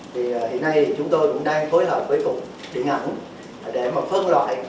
thì hiện nay chúng tôi cũng đang phối hợp với cục điện ảnh để mà phân loại